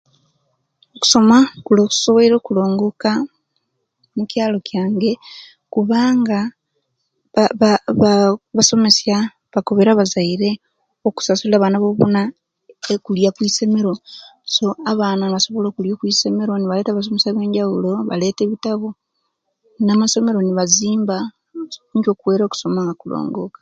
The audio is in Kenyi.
Okusoma kusobwoyire okulongoka mukyaalo kyange kubanga ba ba abasomesia bakobere abazaire okusasula abana bonabona okulia kwisomere so abana nebasobola okulia kwisomero nebaleta abasomesia benjawulo nebaleta ebitabo na'masomero ne bazimba nicho okuweire okusoma nga kulongoka.